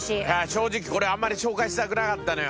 正直これあんまり紹介したくなかったのよ。